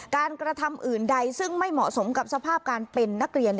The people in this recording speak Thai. กระทำอื่นใดซึ่งไม่เหมาะสมกับสภาพการเป็นนักเรียน